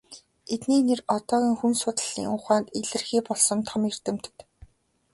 Эдний нэр одоогийн хүн судлалын ухаанд илэрхий болсон том эрдэмтэд.